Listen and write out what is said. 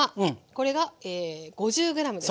これが５０ｇですね。